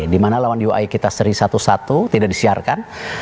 dimana lawan ui kita seri satu satu tidak disiarkan